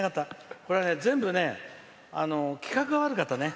これは全部ね、企画が悪かったね。